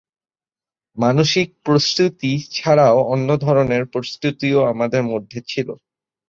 মানসিক প্রস্তুতি ছাড়াও অন্য ধরনের প্রস্তুতিও আমার মধ্যে ছিল।